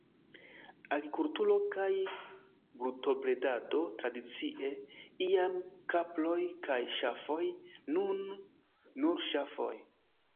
Agrikulturo kaj brutobredado tradicie, iam kaproj kaj ŝafoj, nun nur ŝafoj.